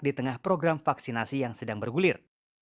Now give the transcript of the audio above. di tengah program vaksinasi yang sedang bergulir